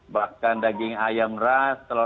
bahkan daging ayam ras telur ayam